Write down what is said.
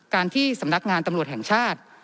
ที่สำนักงานตำรวจแห่งชาติ